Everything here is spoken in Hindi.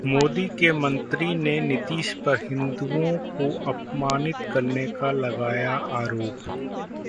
मोदी के मंत्री ने नीतीश पर हिंदुओं को अपमानित करने का लगाया आरोप